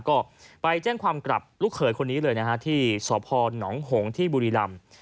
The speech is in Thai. ก็ไปแจ้งความกลับลูกเขยคนนี้เลยนะฮะที่สพนหงที่บุรีรำ